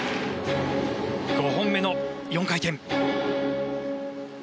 ５本目の４回転。